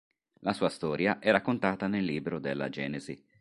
La sua storia è raccontata nel libro della Genesi.